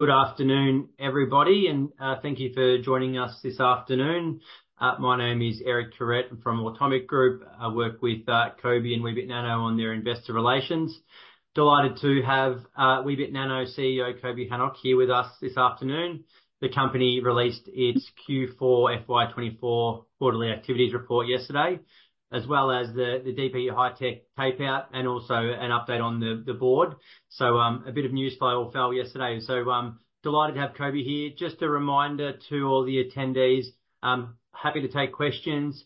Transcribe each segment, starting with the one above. Good afternoon, everybody, and thank you for joining us this afternoon. My name is Eric Kuret from Automic Group. I work with Coby and Weebit Nano on their investor relations. Delighted to have Weebit Nano CEO, Coby Hanoch, here with us this afternoon. The company released its Q4 FY 2024 quarterly activities report yesterday, as well as the DB HiTek tape-out and also an update on the board. So, a bit of news flow fell yesterday. Delighted to have Coby here. Just a reminder to all the attendees, I'm happy to take questions.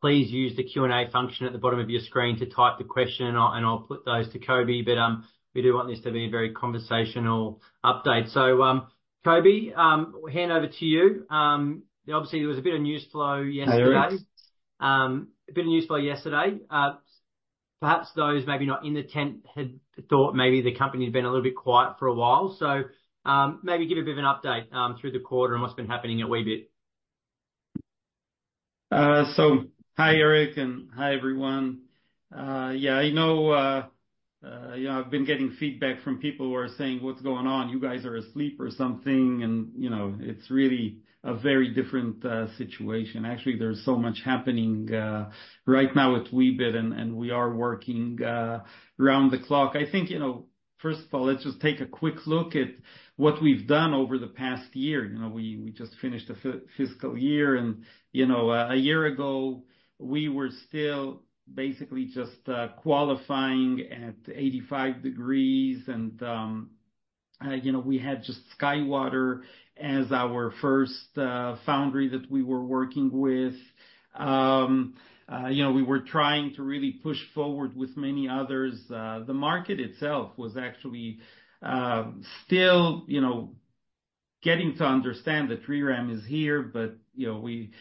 Please use the Q&A function at the bottom of your screen to type the question, and I'll put those to Coby. But we do want this to be a very conversational update. So, Coby, hand over to you. Obviously, there was a bit of news flow yesterday. Hi, Eric. A bit of news flow yesterday. Perhaps those maybe not in the tent had thought maybe the company had been a little bit quiet for a while. So, maybe give a bit of an update, through the quarter and what's been happening at Weebit. So hi, Eric, and hi, everyone. Yeah, I know, yeah, I've been getting feedback from people who are saying: "What's going on? You guys are asleep or something." And, you know, it's really a very different situation. Actually, there's so much happening right now with Weebit, and we are working around the clock. I think, you know, first of all, let's just take a quick look at what we've done over the past year. You know, we just finished a fiscal year, and, you know, a year ago, we were still basically just qualifying at 85 degrees. And, you know, we had just SkyWater as our first foundry that we were working with. You know, we were trying to really push forward with many others. The market itself was actually still, you know, getting to understand that ReRAM is here, but, you know, we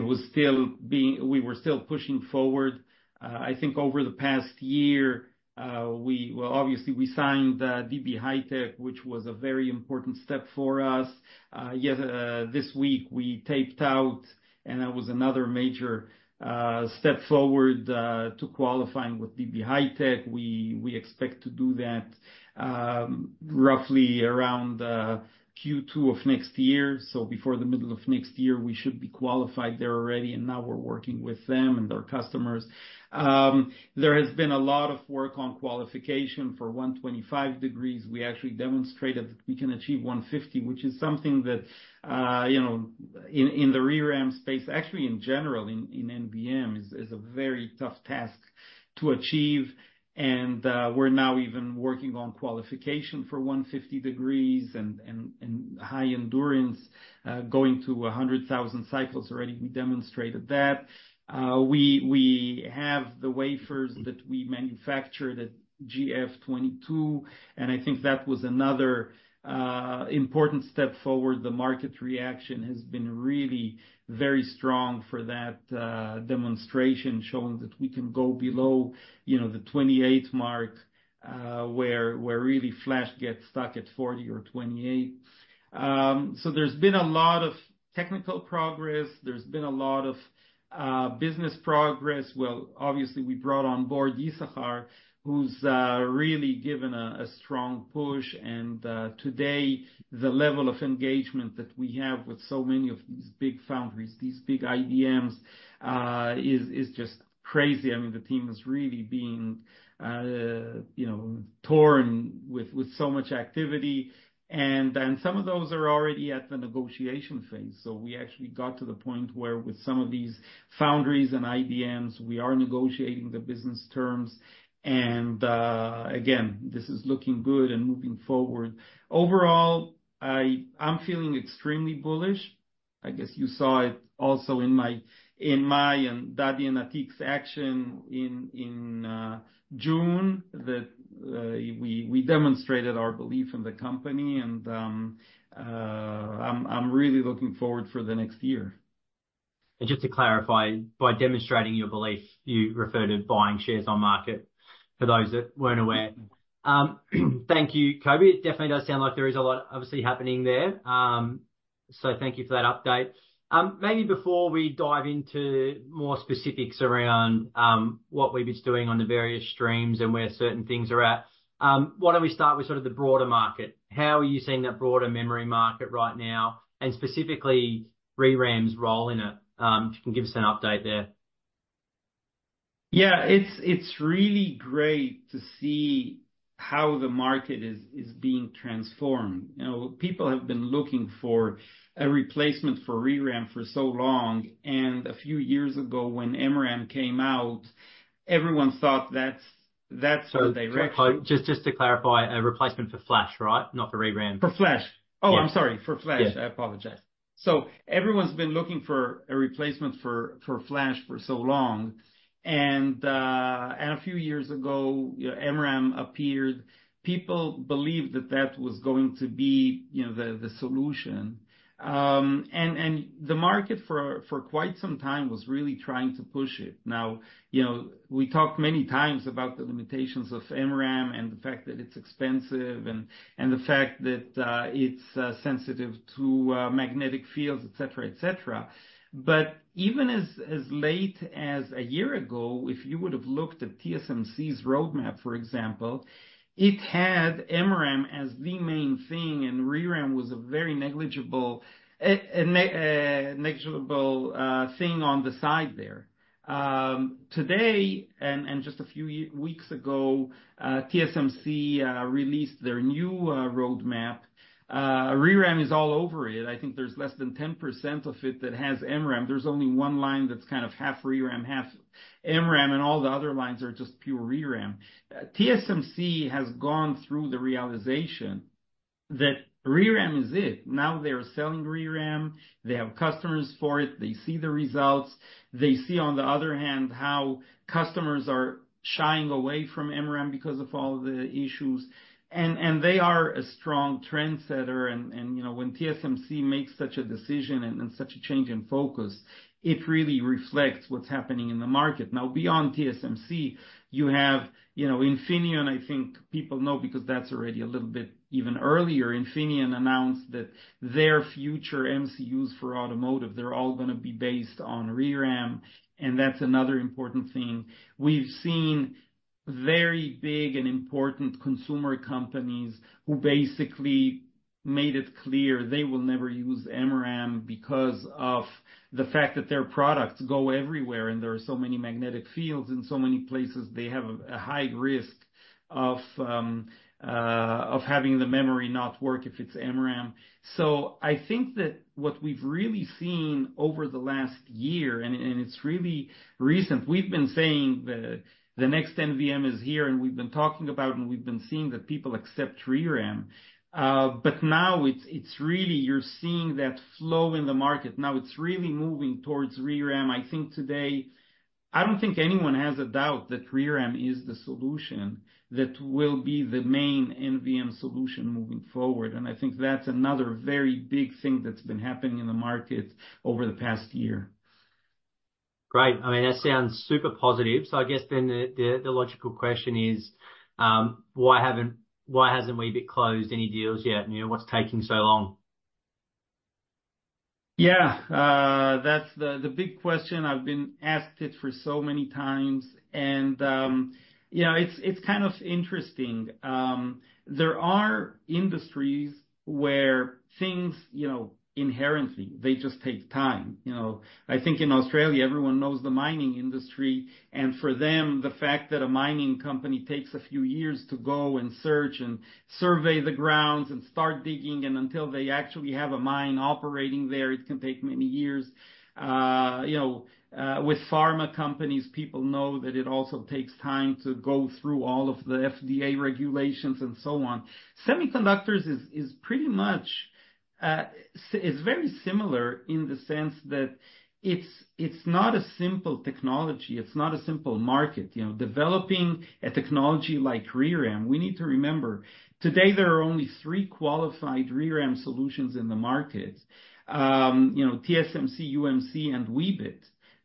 were still pushing forward. I think over the past year, we, well, obviously, we signed DB HiTek, which was a very important step for us. Yes, this week, we taped out, and that was another major step forward to qualifying with DB HiTek. We expect to do that roughly around Q2 of next year. So before the middle of next year, we should be qualified there already, and now we're working with them and their customers. There has been a lot of work on qualification for 125 degrees. We actually demonstrated we can achieve 150, which is something that, you know, in the ReRAM space, actually, in general, in NVM, is a very tough task to achieve, and we're now even working on qualification for 150 degrees and high endurance, going to 100,000 cycles already. We demonstrated that. We have the wafers that we manufactured at GF 22, and I think that was another important step forward. The market reaction has been really very strong for that demonstration, showing that we can go below, you know, the 28 mark, where really flash gets stuck at 40 or 28. So there's been a lot of technical progress. There's been a lot of business progress. Well, obviously, we brought on board Yisachar, who's really given a strong push, and today, the level of engagement that we have with so many of these big foundries, these big IDMs, is just crazy. I mean, the team is really being, you know, torn with so much activity. And some of those are already at the negotiation phase, so we actually got to the point where, with some of these foundries and IDMs, we are negotiating the business terms. And again, this is looking good and moving forward. Overall, I'm feeling extremely bullish. I guess you saw it also in my and Dadi and Atiq's action in June, that we demonstrated our belief in the company, and I'm really looking forward for the next year. Just to clarify, by demonstrating your belief, you refer to buying shares on market for those that weren't aware. Thank you, Coby. It definitely does sound like there is a lot, obviously, happening there. Thank you for that update. Maybe before we dive into more specifics around what Weebit's doing on the various streams and where certain things are at, why don't we start with sort of the broader market? How are you seeing that broader memory market right now, and specifically, ReRAM's role in it? If you can give us an update there. Yeah, it's really great to see how the market is being transformed. You know, people have been looking for a replacement for ReRAM for so long, and a few years ago, when MRAM came out, everyone thought that's the direction- So just to clarify, a replacement for flash, right? Not for ReRAM. For flash. Yeah. Oh, I'm sorry. For flash. Yeah. I apologize. So everyone's been looking for a replacement for flash for so long, and a few years ago, MRAM appeared. People believed that that was going to be, you know, the solution. And the market for quite some time was really trying to push it. Now, you know, we talked many times about the limitations of MRAM and the fact that it's expensive and the fact that it's sensitive to magnetic fields, et cetera, et cetera. But even as late as a year ago, if you would have looked at TSMC's roadmap, for example, it had MRAM as the main thing, and ReRAM was a very negligible thing on the side there.... Today, and just a few weeks ago, TSMC released their new roadmap. ReRAM is all over it. I think there's less than 10% of it that has MRAM. There's only one line that's kind of half ReRAM, half MRAM, and all the other lines are just pure ReRAM. TSMC has gone through the realization that ReRAM is it. Now they're selling ReRAM, they have customers for it, they see the results. They see, on the other hand, how customers are shying away from MRAM because of all the issues, and, and they are a strong trendsetter, and, and, you know, when TSMC makes such a decision and, and such a change in focus, it really reflects what's happening in the market. Now, beyond TSMC, you have, you know, Infineon, I think people know because that's already a little bit even earlier. Infineon announced that their future MCUs for automotive, they're all going to be based on ReRAM, and that's another important thing. We've seen very big and important consumer companies who basically made it clear they will never use MRAM, because of the fact that their products go everywhere, and there are so many magnetic fields in so many places, they have a high risk of having the memory not work if it's MRAM. So I think that what we've really seen over the last year, and it's really recent, we've been saying the next NVM is here, and we've been talking about, and we've been seeing that people accept ReRAM. But now it's really you're seeing that flow in the market. Now, it's really moving towards ReRAM. I think today... I don't think anyone has a doubt that ReRAM is the solution that will be the main NVM solution moving forward, and I think that's another very big thing that's been happening in the market over the past year. Great. I mean, that sounds super positive. So I guess then the logical question is, why hasn't Weebit closed any deals yet? You know, what's taking so long? Yeah. That's the, the big question I've been asked it for so many times, and, you know, it's, it's kind of interesting. There are industries where things, you know, inherently, they just take time. You know, I think in Australia, everyone knows the mining industry, and for them, the fact that a mining company takes a few years to go and search and survey the grounds and start digging, and until they actually have a mine operating there, it can take many years. You know, with pharma companies, people know that it also takes time to go through all of the FDA regulations and so on. Semiconductors is, is pretty much, it's very similar in the sense that it's, it's not a simple technology, it's not a simple market. You know, developing a technology like ReRAM, we need to remember, today, there are only three qualified ReRAM solutions in the market. You know, TSMC, UMC, and Weebit.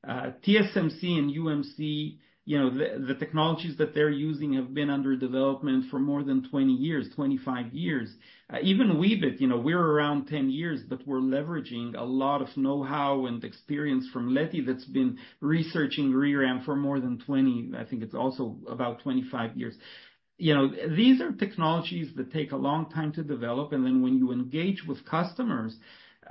TSMC and UMC, you know, the technologies that they're using have been under development for more than 20 years, 25 years. Even Weebit, you know, we're around 10 years, but we're leveraging a lot of know-how and experience from Leti that's been researching ReRAM for more than 20, I think it's also about 25 years. You know, these are technologies that take a long time to develop, and then when you engage with customers,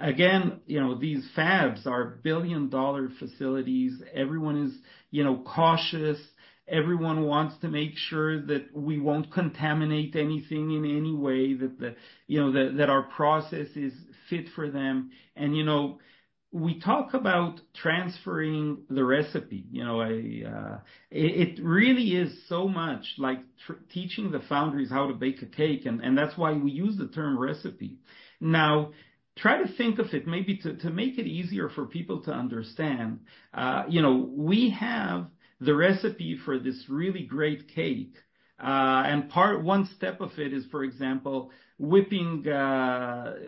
again, you know, these fabs are billion-dollar facilities. Everyone is, you know, cautious. Everyone wants to make sure that we won't contaminate anything in any way, that, you know, that our process is fit for them. You know, we talk about transferring the recipe. You know, it really is so much like teaching the foundries how to bake a cake, and that's why we use the term recipe. Now, try to think of it, maybe to make it easier for people to understand, you know, we have the recipe for this really great cake, and part one step of it is, for example, whipping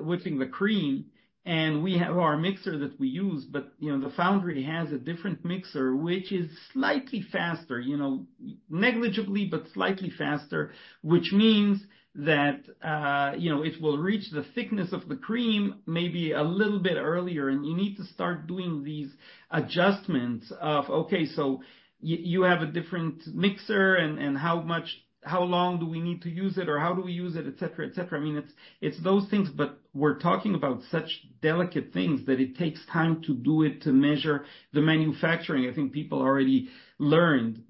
whipping the cream, and we have our mixer that we use, but, you know, the foundry has a different mixer, which is slightly faster, you know, negligibly, but slightly faster, which means that, you know, it will reach the thickness of the cream maybe a little bit earlier, and you need to start doing these adjustments of, okay, so you have a different mixer and, and how much how long do we need to use it or how do we use it, et cetera, et cetera. I mean, it's those things, but we're talking about such delicate things that it takes time to do it, to measure the manufacturing. I think people already learned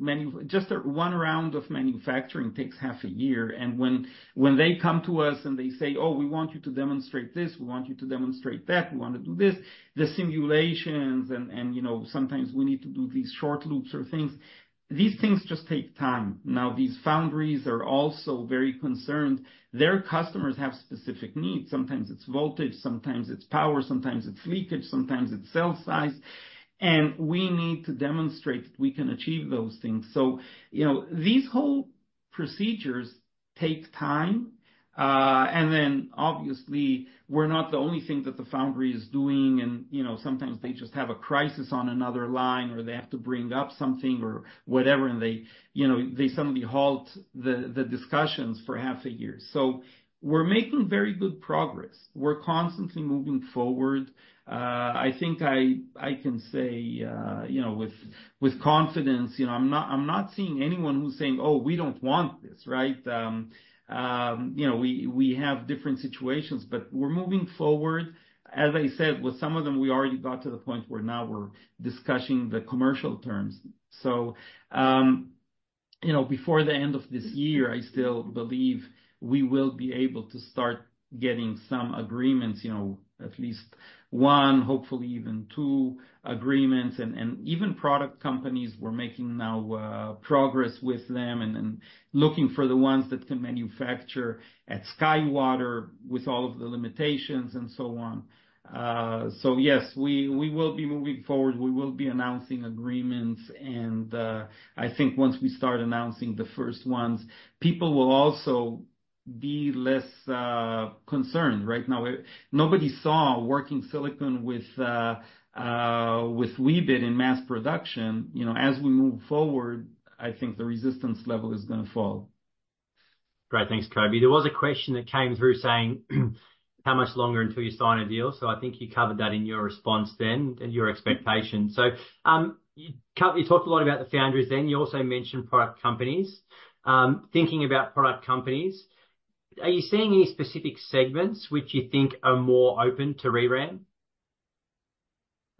just that one round of manufacturing takes half a year, and when they come to us and they say, "Oh, we want you to demonstrate this, we want you to demonstrate that. We want to do this," the simulations and, you know, sometimes we need to do these short loops or things. These things just take time. Now, these foundries are also very concerned. Their customers have specific needs. Sometimes it's voltage, sometimes it's power, sometimes it's leakage, sometimes it's cell size, and we need to demonstrate that we can achieve those things. So, you know, these whole procedures take time, and then, obviously, we're not the only thing that the foundry is doing and, you know, sometimes they just have a crisis on another line, or they have to bring up something or whatever, and they, you know, they suddenly halt the discussions for half a year. So we're making very good progress. We're constantly moving forward. I think I can say, you know, with confidence, you know, I'm not seeing anyone who's saying, "Oh, we don't want this," right? You know, we have different situations, but we're moving forward. As I said, with some of them, we already got to the point where now we're discussing the commercial terms. So... You know, before the end of this year, I still believe we will be able to start getting some agreements, you know, at least one, hopefully even two agreements. And even product companies, we're making now progress with them and looking for the ones that can manufacture at SkyWater with all of the limitations and so on. So yes, we will be moving forward. We will be announcing agreements, and I think once we start announcing the first ones, people will also be less concerned. Right now, nobody saw working silicon with, with Weebit in mass production. You know, as we move forward, I think the resistance level is going to fall. Great. Thanks, Coby. There was a question that came through saying, "How much longer until you sign a deal?" So I think you covered that in your response then, and your expectations. So, you talked a lot about the foundries, then you also mentioned product companies. Thinking about product companies, are you seeing any specific segments which you think are more open to ReRAM?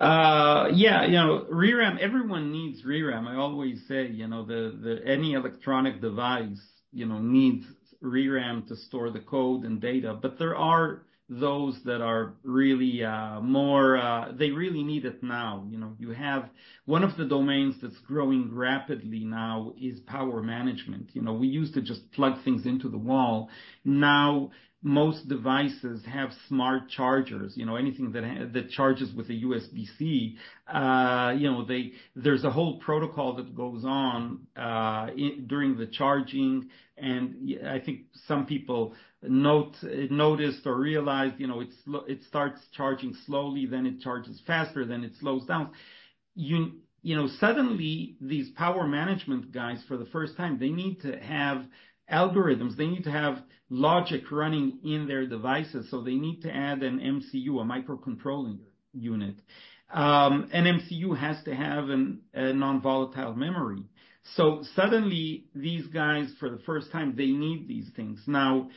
Yeah. You know, ReRAM, everyone needs ReRAM. I always say, you know, the any electronic device, you know, needs ReRAM to store the code and data, but there are those that are really, more, they really need it now. You know, you have one of the domains that's growing rapidly now is power management. You know, we used to just plug things into the wall. Now, most devices have smart chargers, you know, anything that charges with a USB-C, you know, they there's a whole protocol that goes on, in during the charging, and I think some people noticed or realized, you know, it starts charging slowly, then it charges faster, then it slows down. You know, suddenly these power management guys, for the first time, they need to have algorithms, they need to have logic running in their devices, so they need to add an MCU, a microcontroller unit. An MCU has to have a non-volatile memory. So suddenly, these guys, for the first time, they need these things. Now,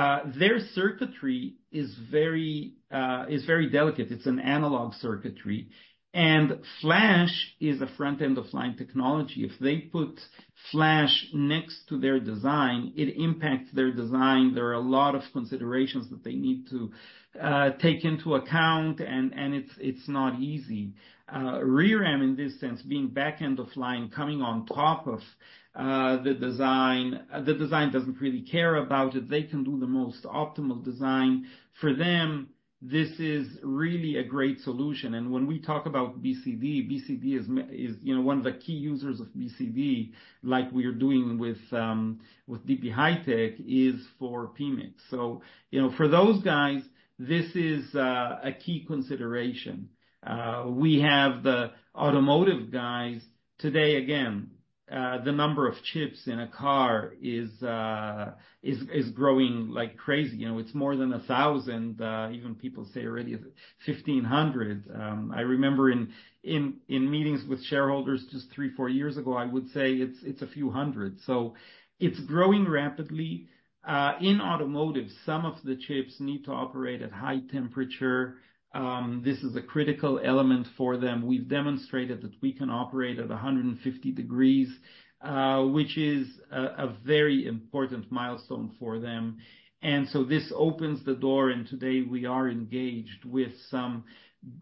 their circuitry is very delicate. It's an analog circuitry, and flash is a front-end-of-line technology. If they put flash next to their design, it impacts their design. There are a lot of considerations that they need to take into account, and it's not easy. ReRAM, in this sense, being back-end-of-line, coming on top of the design, the design doesn't really care about it. They can do the most optimal design. For them, this is really a great solution, and when we talk about BCD, BCD is, you know, one of the key users of BCD, like we are doing with DB HiTek, is for PMIC. So, you know, for those guys, this is a key consideration. We have the automotive guys. Today, again, the number of chips in a car is growing like crazy. You know, it's more than 1,000, even people say already 1,500. I remember in meetings with shareholders just 3, 4 years ago, I would say it's a few hundred. So it's growing rapidly. In automotive, some of the chips need to operate at high temperature. This is a critical element for them. We've demonstrated that we can operate at 150 degrees, which is a very important milestone for them. And so this opens the door, and today we are engaged with some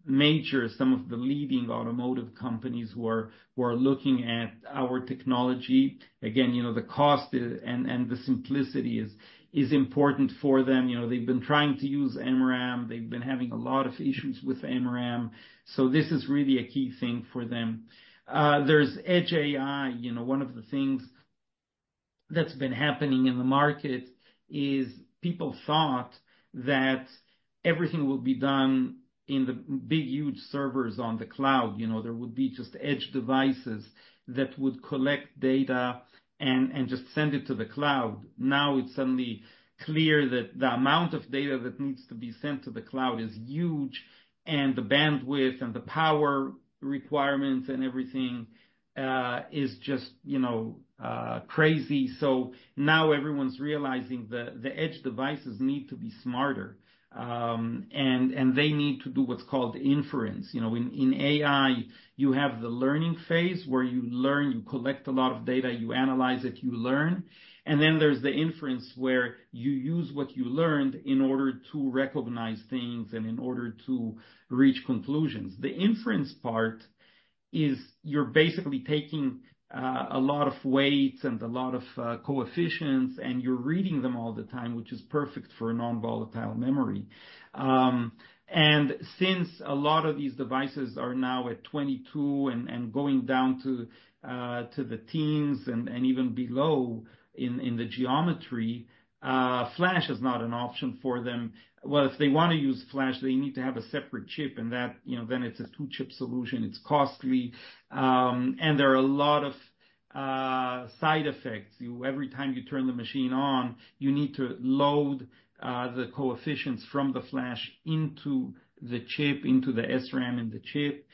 major, some of the leading automotive companies who are, who are looking at our technology. Again, you know, the cost and, and the simplicity is, is important for them. You know, they've been trying to use MRAM. They've been having a lot of issues with MRAM, so this is really a key thing for them. There's Edge AI. You know, one of the things that's been happening in the market is people thought that everything would be done in the big, huge servers on the cloud. You know, there would be just edge devices that would collect data and, and just send it to the cloud. Now, it's suddenly clear that the amount of data that needs to be sent to the cloud is huge, and the bandwidth and the power requirements and everything is just, you know, crazy. So now everyone's realizing the edge devices need to be smarter, and they need to do what's called inference. You know, in AI, you have the learning phase, where you learn, you collect a lot of data, you analyze it, you learn, and then there's the inference, where you use what you learned in order to recognize things and in order to reach conclusions. The inference part is you're basically taking a lot of weights and a lot of coefficients, and you're reading them all the time, which is perfect for a non-volatile memory. And since a lot of these devices are now at 22 and, and going down to, to the teens and, and even below in, in the geometry, flash is not an option for them. Well, if they want to use flash, they need to have a separate chip, and that, you know, then it's a two-chip solution. It's costly, and there are a lot of side effects. You every time you turn the machine on, you need to load the coefficients from the flash into the chip, into the SRAM in the chip.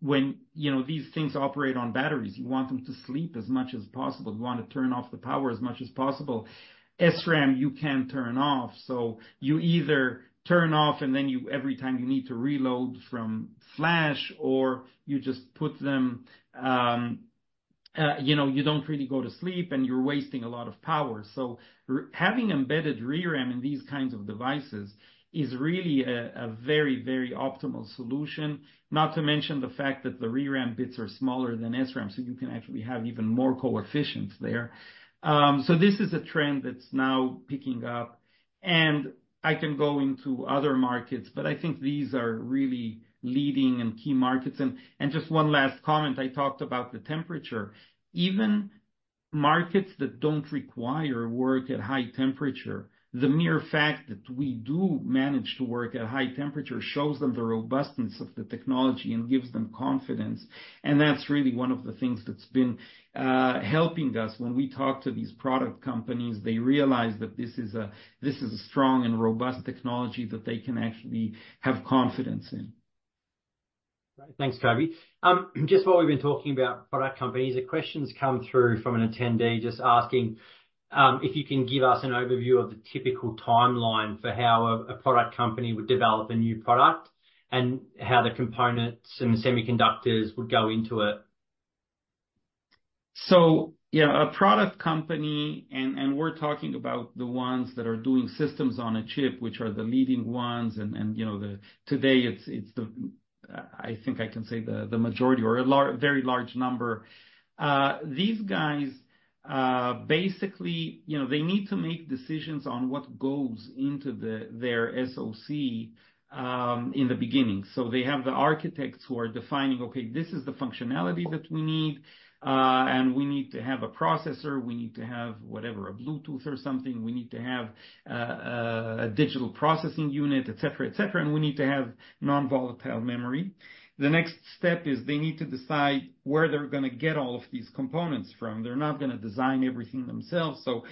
When, you know, these things operate on batteries, you want them to sleep as much as possible. You want to turn off the power as much as possible. SRAM, you can turn off, so you either turn off, and then you—every time you need to reload from flash or you just put them, you know, you don't really go to sleep, and you're wasting a lot of power. So having embedded ReRAM in these kinds of devices is really a, a very, very optimal solution. Not to mention the fact that the ReRAM bits are smaller than SRAM, so you can actually have even more coefficients there. So this is a trend that's now picking up, and I can go into other markets, but I think these are really leading and key markets. And just one last comment. I talked about the temperature. Even markets that don't require work at high temperature, the mere fact that we do manage to work at high temperature shows them the robustness of the technology and gives them confidence, and that's really one of the things that's been helping us. When we talk to these product companies, they realize that this is a, this is a strong and robust technology that they can actually have confidence in. Great. Thanks, Coby. Just while we've been talking about product companies, a question's come through from an attendee just asking if you can give us an overview of the typical timeline for how a product company would develop a new product, and how the components and the semiconductors would go into it. So, yeah, a product company, and we're talking about the ones that are doing systems on a chip, which are the leading ones, and, you know, today, it's the, I think I can say the majority or very large number. These guys, basically, you know, they need to make decisions on what goes into the their SoC in the beginning. So they have the architects who are defining, "Okay, this is the functionality that we need, and we need to have a processor, we need to have, whatever, a Bluetooth or something. We need to have a digital processing unit, et cetera, et cetera, and we need to have non-volatile memory." The next step is they need to decide where they're gonna get all of these components from. They're not gonna design everything themselves. So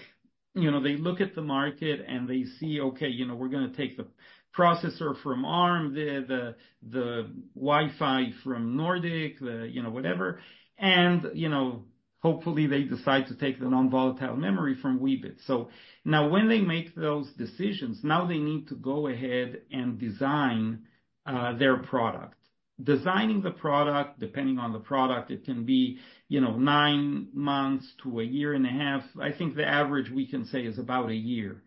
you know, they look at the market, and they see, okay, you know, we're gonna take the processor from Arm, the Wi-Fi from Nordic, you know, whatever, and, you know, hopefully, they decide to take the non-volatile memory from Weebit. So now, when they make those decisions, now they need to go ahead and design their product. Designing the product, depending on the product, it can be, you know, 9 months to a year and a half. I think the average we can say is about a year.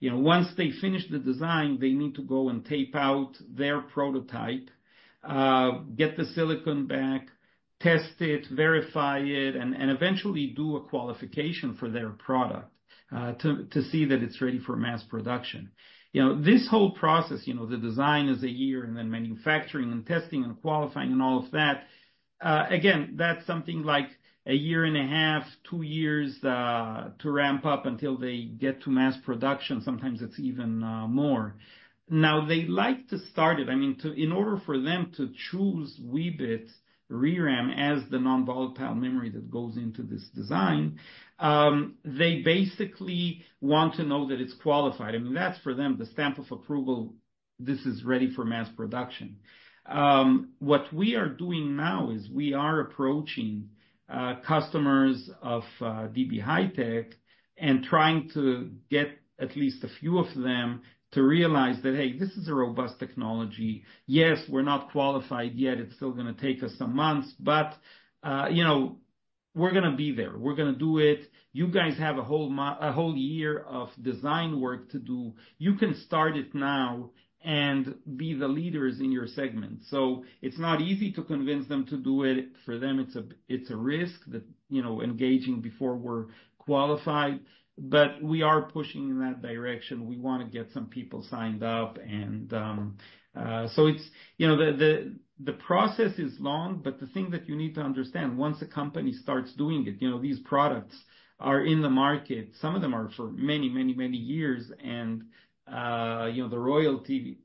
You know, once they finish the design, they need to go and tape out their prototype, get the silicon back, test it, verify it, and eventually do a qualification for their product, to see that it's ready for mass production. You know, this whole process, you know, the design is 1 year, and then manufacturing and testing and qualifying and all of that, again, that's something like 1.5 years, 2 years, to ramp up until they get to mass production. Sometimes it's even more. Now, they like to start it... I mean, in order for them to choose Weebit ReRAM as the non-volatile memory that goes into this design, they basically want to know that it's qualified. I mean, that's for them, the stamp of approval, this is ready for mass production. What we are doing now is we are approaching, customers of, DB HiTek and trying to get at least a few of them to realize that, hey, this is a robust technology. Yes, we're not qualified yet. It's still gonna take us some months, but you know, we're gonna be there. We're gonna do it. You guys have a whole year of design work to do. You can start it now and be the leaders in your segment. So it's not easy to convince them to do it. For them, it's a risk that you know, engaging before we're qualified, but we are pushing in that direction. We want to get some people signed up. So it's you know, the process is long, but the thing that you need to understand, once a company starts doing it, you know, these products are in the market. Some of them are for many, many, many years, and you know, the royalties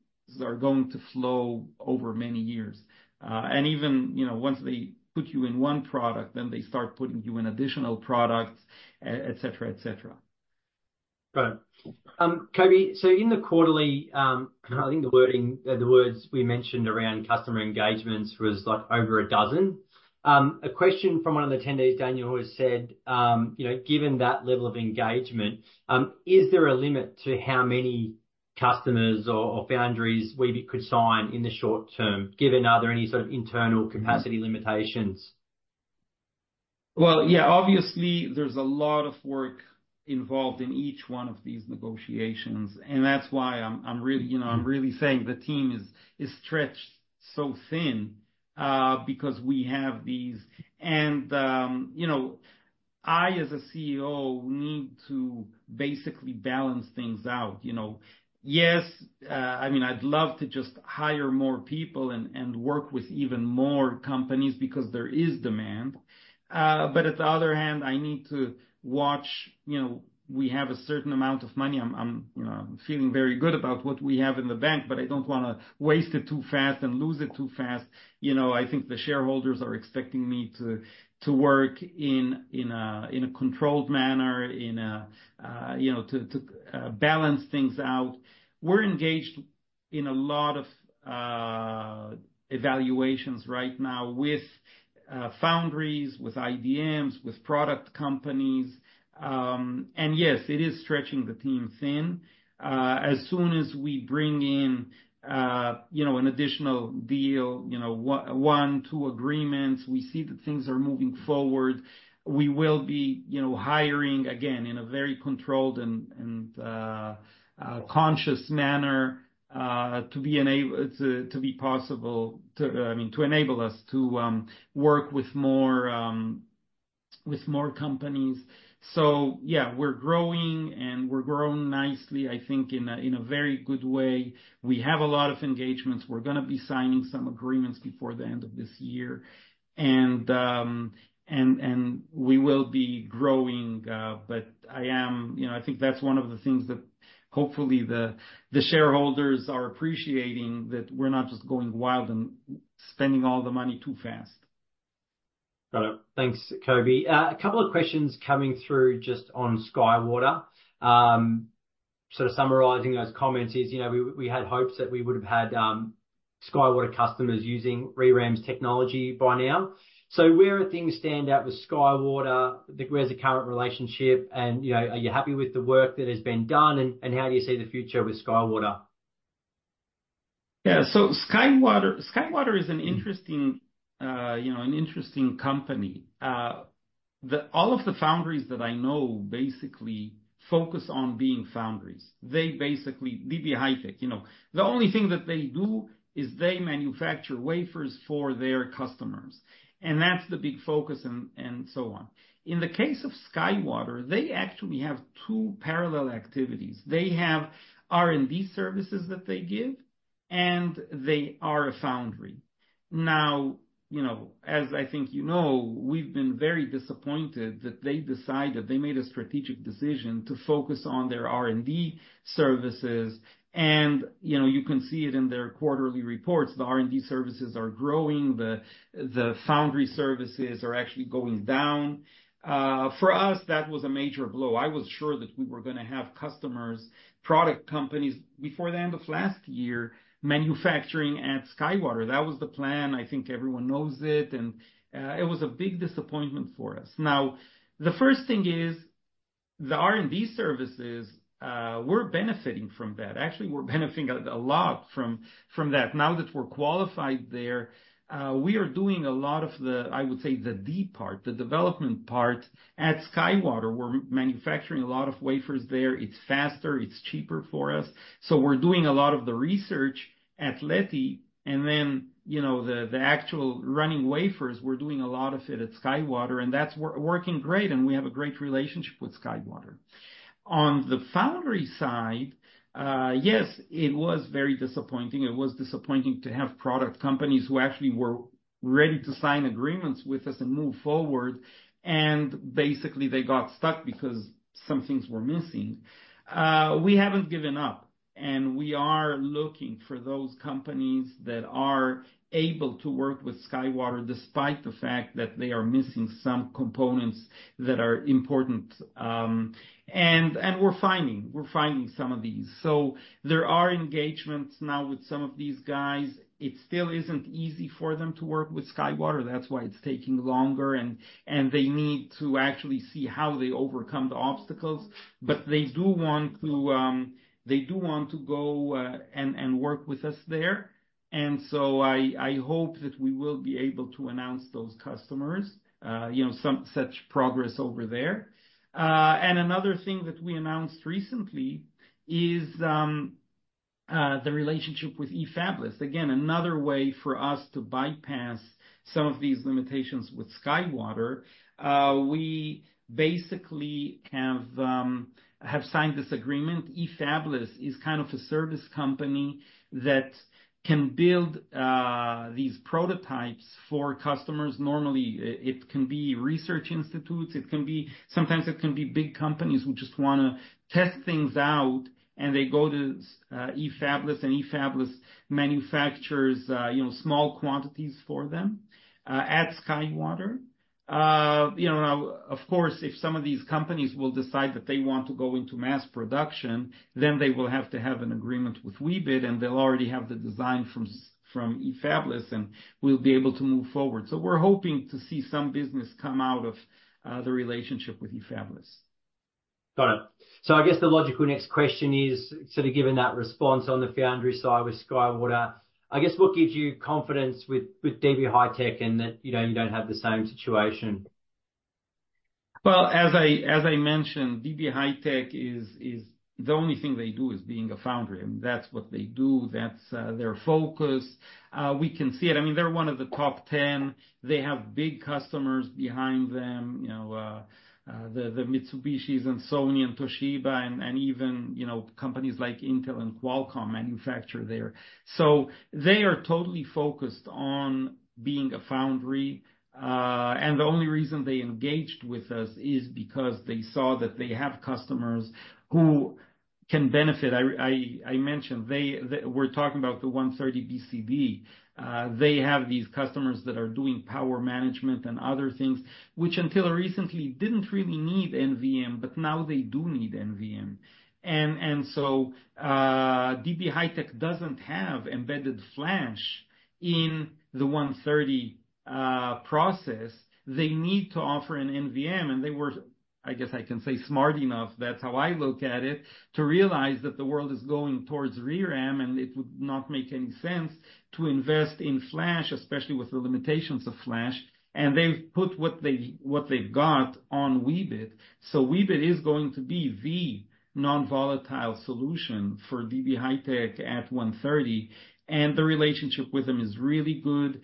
are going to flow over many years. And even, you know, once they put you in one product, then they start putting you in additional products, et cetera, et cetera. Right. Coby, so in the quarterly, I think the wording, the words we mentioned around customer engagements was, like, over a dozen. A question from one of the attendees, Daniel, who has said, you know, "Given that level of engagement, is there a limit to how many customers or, or foundries Weebit could sign in the short term, given are there any sort of internal capacity limitations? Well, yeah, obviously there's a lot of work involved in each one of these negotiations, and that's why I'm really, you know, I'm really saying the team is stretched so thin because we have these. And, you know, I, as a CEO, need to basically balance things out, you know? Yes, I mean, I'd love to just hire more people and work with even more companies because there is demand. But at the other hand, I need to watch, you know, we have a certain amount of money. I'm feeling very good about what we have in the bank, but I don't wanna waste it too fast and lose it too fast. You know, I think the shareholders are expecting me to work in a controlled manner, you know, to balance things out. We're engaged in a lot of evaluations right now with foundries, with IDMs, with product companies. And yes, it is stretching the team thin. As soon as we bring in an additional deal, you know, one, two agreements, we see that things are moving forward, we will be hiring again in a very controlled and conscious manner to enable us to work with more companies. So yeah, we're growing, and we're growing nicely, I think in a very good way. We have a lot of engagements. We're gonna be signing some agreements before the end of this year. And we will be growing, but I am... You know, I think that's one of the things that hopefully the shareholders are appreciating, that we're not just going wild and spending all the money too fast. Got it. Thanks, Coby. A couple of questions coming through just on SkyWater. So summarizing those comments is, you know, we had hopes that we would have had SkyWater customers using ReRAM's technology by now. So where are things standing with SkyWater? Where's the current relationship? And, you know, are you happy with the work that has been done, and how do you see the future with SkyWater? Yeah. So SkyWater, SkyWater is an interesting, you know, an interesting company. All of the foundries that I know basically focus on being foundries. They basically, DB HiTek, you know, the only thing that they do is they manufacture wafers for their customers, and that's the big focus and so on. In the case of SkyWater, they actually have two parallel activities. They have R&D services that they give, and they are a foundry. Now, you know, as I think you know, we've been very disappointed that they decided. They made a strategic decision to focus on their R&D services. And, you know, you can see it in their quarterly reports, the R&D services are growing, the foundry services are actually going down. For us, that was a major blow. I was sure that we were gonna have customers, product companies, before the end of last year, manufacturing at SkyWater. That was the plan. I think everyone knows it, and it was a big disappointment for us. Now, the first thing is, the R&D services, we're benefiting from that. Actually, we're benefiting a lot from that. Now that we're qualified there, we are doing a lot of the, I would say, the D part, the development part, at SkyWater. We're manufacturing a lot of wafers there. It's faster, it's cheaper for us. So we're doing a lot of the research at Leti, and then, you know, the actual running wafers, we're doing a lot of it at SkyWater, and that's working great, and we have a great relationship with SkyWater. On the foundry side, yes, it was very disappointing. It was disappointing to have product companies who actually were ready to sign agreements with us and move forward, and basically they got stuck because some things were missing. We haven't given up, and we are looking for those companies that are able to work with SkyWater, despite the fact that they are missing some components that are important. And we're finding some of these. So there are engagements now with some of these guys. It still isn't easy for them to work with SkyWater, that's why it's taking longer, and they need to actually see how they overcome the obstacles. But they do want to go and work with us there. And so I hope that we will be able to announce those customers, you know, such progress over there. And another thing that we announced recently is the relationship with Efabless. Again, another way for us to bypass some of these limitations with SkyWater. We basically have signed this agreement. Efabless is kind of a service company that can build these prototypes for customers. Normally, it can be research institutes, it can be. Sometimes it can be big companies who just wanna test things out, and they go to Efabless, and Efabless manufactures, you know, small quantities for them at SkyWater. You know, of course, if some of these companies will decide that they want to go into mass production, then they will have to have an agreement with Weebit, and they'll already have the design from from Efabless, and we'll be able to move forward. So we're hoping to see some business come out of the relationship with Efabless. Got it. So I guess the logical next question is, sort of given that response on the foundry side with SkyWater, I guess what gives you confidence with, with DB HiTek and that, you know, you don't have the same situation? Well, as I mentioned, DB HiTek is the only thing they do is being a foundry, and that's what they do, that's their focus. We can see it. I mean, they're one of the top 10. They have big customers behind them, you know, the Mitsubishis and Sony and Toshiba, and even, you know, companies like Intel and Qualcomm manufacture there. So they are totally focused on being a foundry, and the only reason they engaged with us is because they saw that they have customers who can benefit. I mentioned, we're talking about the 130nm BCD. They have these customers that are doing power management and other things, which until recently didn't really need NVM, but now they do need NVM. And so,... DB HiTek doesn't have embedded flash in the 130 process. They need to offer an NVM, and they were, I guess I can say, smart enough, that's how I look at it, to realize that the world is going towards ReRAM, and it would not make any sense to invest in flash, especially with the limitations of flash. And they've put what they, what they've got on Weebit. So Weebit is going to be the non-volatile solution for DB HiTek at 130, and the relationship with them is really good,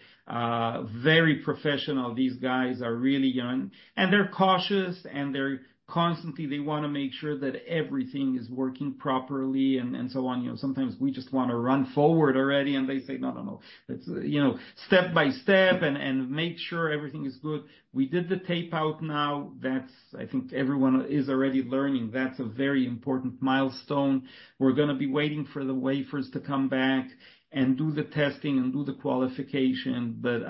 very professional. These guys are really young, and they're cautious, and they're constantly, they wanna make sure that everything is working properly and so on. You know, sometimes we just wanna run forward already, and they say, "No, no, no," it's, you know, step by step and make sure everything is good. We did the Tape-out now. That's. I think everyone is already learning. That's a very important milestone. We're gonna be waiting for the wafers to come back and do the testing and do the qualification, but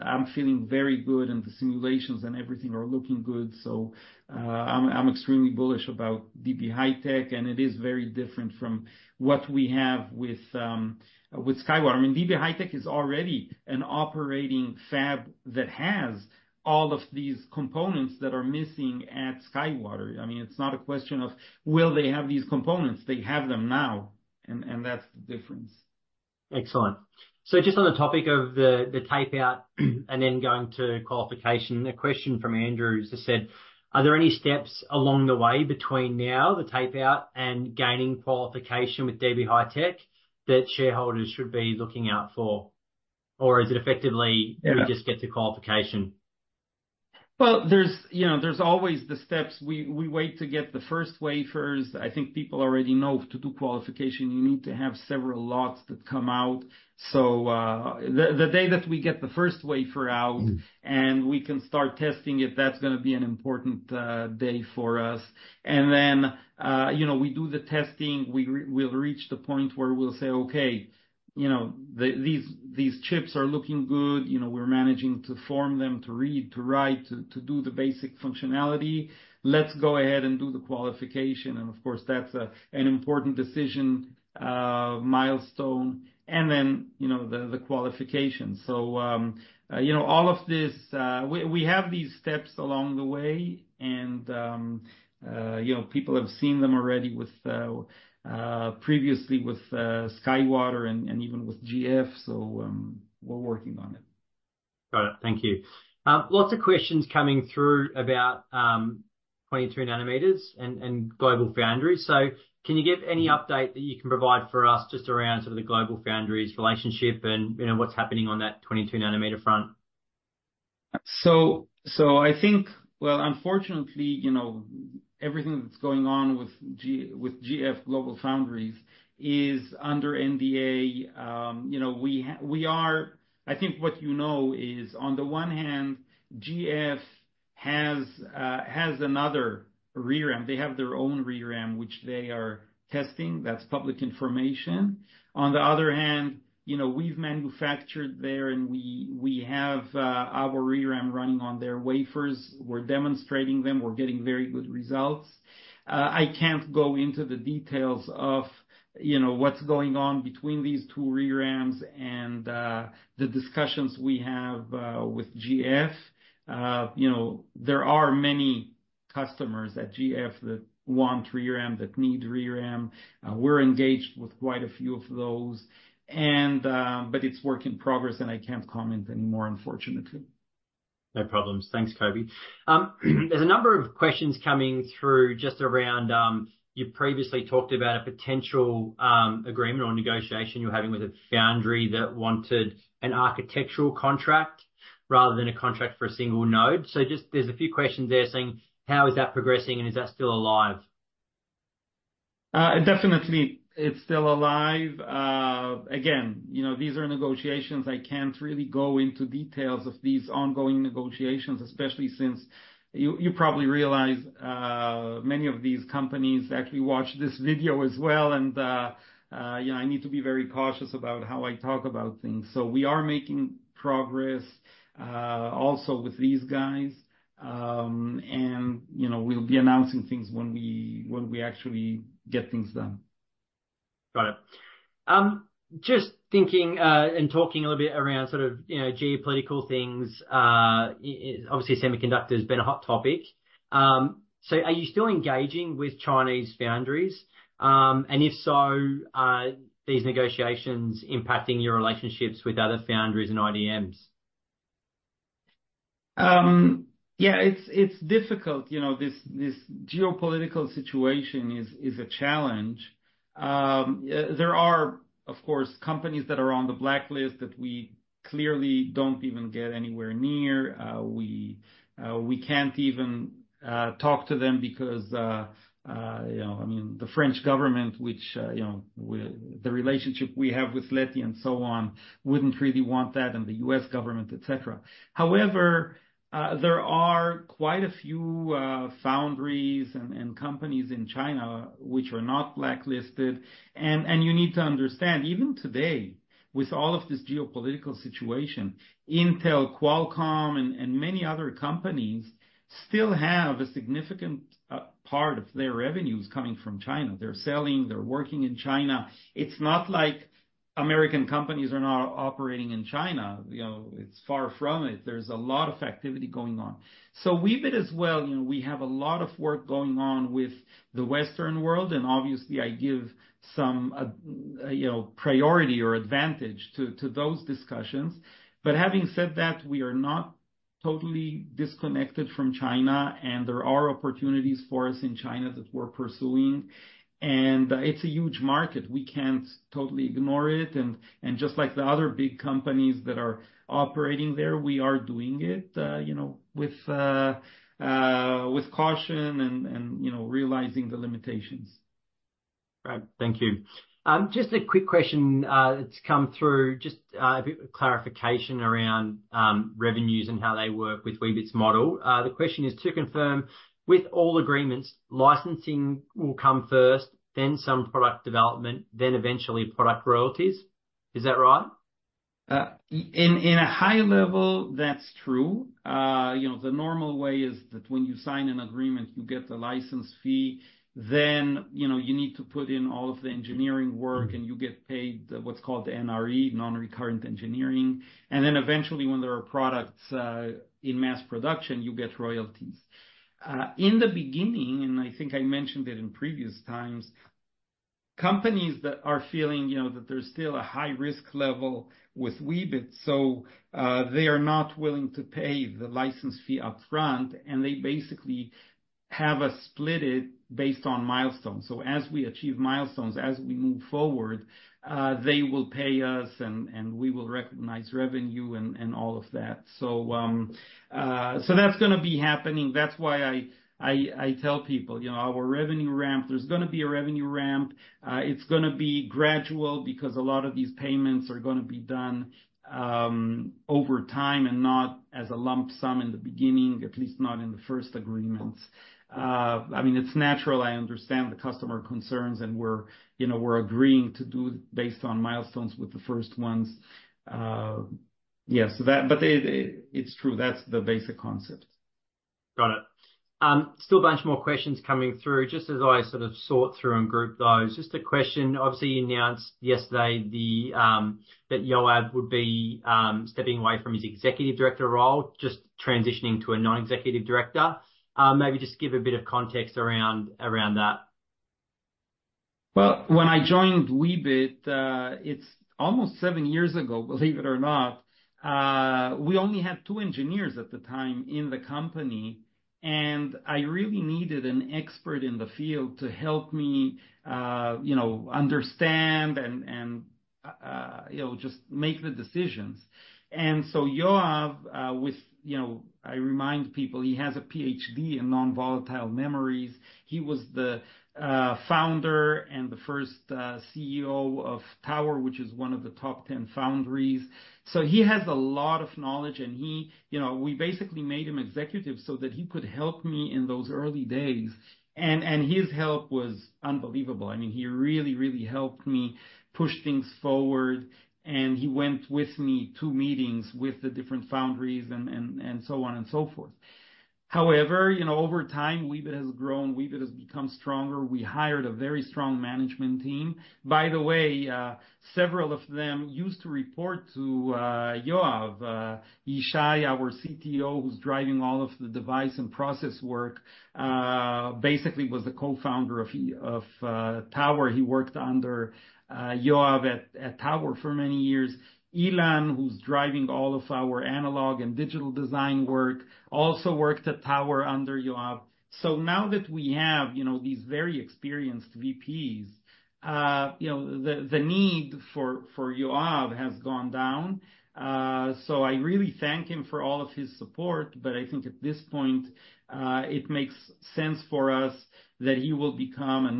I'm feeling very good, and the simulations and everything are looking good. So, I'm extremely bullish about DB HiTek, and it is very different from what we have with, with SkyWater. I mean, DB HiTek is already an operating fab that has all of these components that are missing at SkyWater. I mean, it's not a question of, will they have these components? They have them now, and, and that's the difference. Excellent. So just on the topic of the Tape-out, and then going to qualification, a question from Andrew just said: Are there any steps along the way between now, the Tape-out, and gaining qualification with DB HiTek that shareholders should be looking out for? Or is it effectively we just get to qualification. Well, there's, you know, there's always the steps. We wait to get the first wafers. I think people already know to do qualification, you need to have several lots that come out. So, the day that we get the first wafer out. And we can start testing it, that's gonna be an important day for us. And then, you know, we do the testing, we'll reach the point where we'll say, "Okay, you know, these chips are looking good. You know, we're managing to form them, to read, to write, to do the basic functionality. Let's go ahead and do the qualification." And of course, that's an important decision milestone, and then, you know, the qualification. So, you know, all of this... We have these steps along the way, and, you know, people have seen them already with, previously with SkyWater and even with GF, so, we're working on it. Got it. Thank you. Lots of questions coming through about 22 nm and GlobalFoundries. So can you give any update that you can provide for us just around sort of the GlobalFoundries relationship and, you know, what's happening on that 22 nm front? So I think... Well, unfortunately, you know, everything that's going on with GF GlobalFoundries is under NDA. You know, I think what you know is, on the one hand, GF has another ReRAM. They have their own ReRAM, which they are testing. That's public information. On the other hand, you know, we've manufactured there, and we have our ReRAM running on their wafers. We're demonstrating them. We're getting very good results. I can't go into the details of, you know, what's going on between these two ReRAMs and the discussions we have with GF. You know, there are many customers at GF that want ReRAM, that need ReRAM. We're engaged with quite a few of those, and, but it's work in progress, and I can't comment anymore, unfortunately. No problems. Thanks, Coby. There's a number of questions coming through just around, you previously talked about a potential agreement or negotiation you were having with a foundry that wanted an architectural contract rather than a contract for a single node. So just there's a few questions there saying: How is that progressing, and is that still alive? Definitely, it's still alive. Again, you know, these are negotiations. I can't really go into details of these ongoing negotiations, especially since you, you probably realize, many of these companies actually watch this video as well, and, you know, I need to be very cautious about how I talk about things. So we are making progress also with these guys. And, you know, we'll be announcing things when we, when we actually get things done. Got it. Just thinking, and talking a little bit around sort of, you know, geopolitical things, obviously, semiconductor has been a hot topic. So are you still engaging with Chinese foundries? And if so, are these negotiations impacting your relationships with other foundries and IDMs? Yeah, it's difficult. You know, this geopolitical situation is a challenge. There are, of course, companies that are on the blacklist that we clearly don't even get anywhere near. We can't even talk to them because, you know, I mean, the French government, which, you know, the relationship we have with Leti and so on, wouldn't really want that, and the U.S. government, et cetera. However, there are quite a few foundries and companies in China which are not blacklisted. And you need to understand, even today, with all of this geopolitical situation, Intel, Qualcomm, and many other companies still have a significant part of their revenues coming from China. They're selling, they're working in China. It's not like American companies are not operating in China, you know, it's far from it. There's a lot of activity going on. So Weebit as well, you know, we have a lot of work going on with the Western world, and obviously, I give some, you know, priority or advantage to, to those discussions. But having said that, we are not totally disconnected from China, and there are opportunities for us in China that we're pursuing. And, it's a huge market. We can't totally ignore it, and, and just like the other big companies that are operating there, we are doing it, you know, with, with caution and, and, you know, realizing the limitations. Right. Thank you. Just a quick question, that's come through, just, a bit of clarification around, revenues and how they work with Weebit's model. The question is: To confirm, with all agreements, licensing will come first, then some product development, then eventually product royalties. Is that right? In a high level, that's true. You know, the normal way is that when you sign an agreement, you get the license fee, then, you know, you need to put in all of the engineering work, and you get paid what's called the NRE, Non-Recurring Engineering, and then eventually when there are products, in mass production, you get royalties. In the beginning, and I think I mentioned it in previous times, companies that are feeling, you know, that there's still a high risk level with Weebit, so, they are not willing to pay the license fee up front, and they basically have us split it based on milestones. So as we achieve milestones, as we move forward, they will pay us, and, and we will recognize revenue and, and all of that. So that's gonna be happening. That's why I tell people, you know, our revenue ramp—there's gonna be a revenue ramp. It's gonna be gradual because a lot of these payments are gonna be done over time and not as a lump sum in the beginning, at least not in the first agreements. I mean, it's natural. I understand the customer concerns, and we're, you know, we're agreeing to do based on milestones with the first ones. Yes, so that—but it, it's true. That's the basic concept. Got it. Still a bunch more questions coming through. Just as I sort through and group those, just a question. Obviously, you announced yesterday that Yoav would be stepping away from his executive director role, just transitioning to a non-executive director. Maybe just give a bit of context around, around that. Well, when I joined Weebit, it's almost seven years ago, believe it or not, we only had two engineers at the time in the company, and I really needed an expert in the field to help me, you know, understand and you know just make the decisions. And so Yoav with. You know, I remind people, he has a PhD in non-volatile memories. He was the founder and the first CEO of Tower, which is one of the top ten foundries. So he has a lot of knowledge, and he you know we basically made him executive so that he could help me in those early days. And his help was unbelievable. I mean, he really really helped me push things forward, and he went with me to meetings with the different foundries and so on and so forth. However, you know, over time, Weebit has grown, Weebit has become stronger. We hired a very strong management team. By the way, several of them used to report to Yoav. Yishay, our CTO, who's driving all of the device and process work, basically was the co-founder of Tower. He worked under Yoav at Tower for many years. Ilan, who's driving all of our analog and digital design work, also worked at Tower under Yoav. So now that we have, you know, these very experienced VPs, you know, the need for Yoav has gone down. So I really thank him for all of his support, but I think at this point, it makes sense for us that he will become a